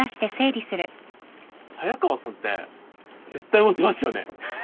早川さんって絶対モテますよね。